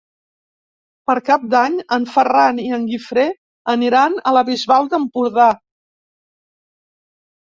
Per Cap d'Any en Ferran i en Guifré aniran a la Bisbal d'Empordà.